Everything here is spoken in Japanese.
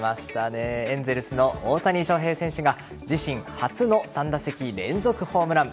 エンゼルスの大谷翔平選手が自身初の３打席連続ホームラン。